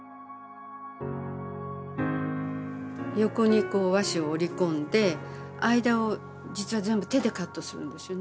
横にこう和紙を織り込んで間を実は全部手でカットするんですよね。